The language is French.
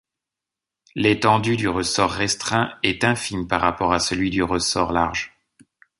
L'étendue du ressort restreint est infime par rapport à celui du ressort large.